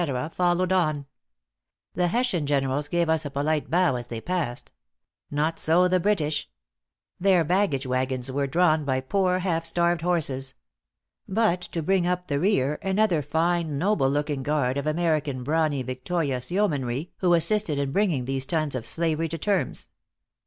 followed on. The Hessian generals gave us a polite bow as they passed. Not so the British. Their baggage wagons [were] drawn by poor, half starved horses. But to bring up the rear, another fine, noble looking guard of American brawny victorious yeomanry, who assisted in bringing these sons of slavery to terms.